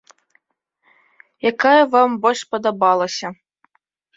Якая вам больш спадабалася?